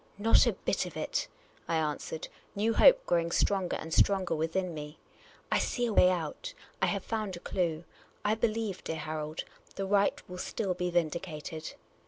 " Not a bit of it," I answered, new hope growing stronger and stronger within me. " I see a way out. I have found a clue. I believe, dear Harold, the right will still be vindi cated."